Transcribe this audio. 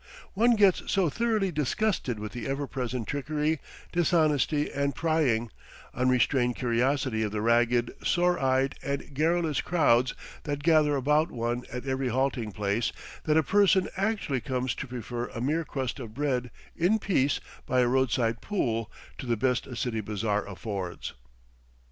One gets so thoroughly disgusted with the ever present trickery, dishonesty, and prying, unrestrained curiosity of the ragged, sore eyed and garrulous crowds that gather about one at every halting place, that a person actually comes to prefer a mere crust of bread in peace by a road side pool to the best a city bazaar affords.